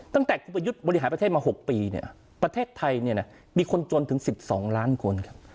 ตั้งแต่คุณประยุทธ์บริหารประเทศมา๖ปีเนี่ยประเทศไทยมีคนจนถึง๑๒ล้านคนครับ